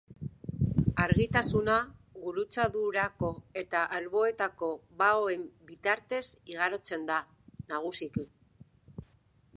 Argitasuna gurutzadurako eta alboetako baoen bitartez igarotzen da, nagusiki.